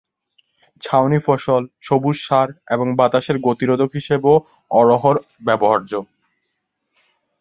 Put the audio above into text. ছাউনি ফসল, সবুজ সার এবং বাতাসের গতি রোধক হিসেবেও অড়হর ব্যবহার্য।